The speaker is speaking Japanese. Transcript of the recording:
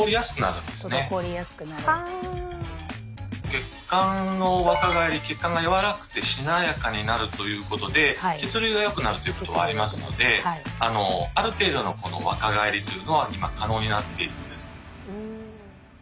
血管の若返り血管が柔らかくてしなやかになるということで血流がよくなるということはありますのである程度の若返りというのは今可能になっているんです。